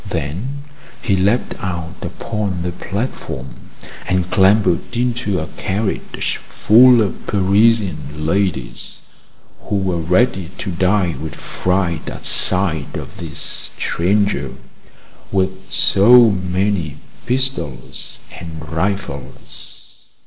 Then he leaped out upon the platform, and clambered into a carriage full of Parisian ladies, who were ready to die with fright at sight of this stranger with so many pistols and rifles.